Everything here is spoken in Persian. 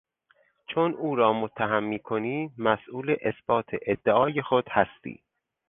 چون او را متهم میکنی مسئول اثبات ادعای خود هستی.